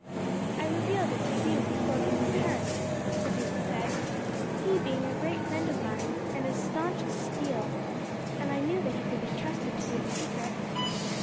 "I revealed it to Hume before leaving Paris," the duke said, "he being a great friend of mine and as staunch as steel, and I knew that he could be trusted to keep a secret."